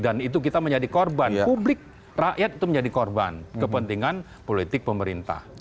dan itu kita menjadi korban publik rakyat itu menjadi korban kepentingan politik pemerintah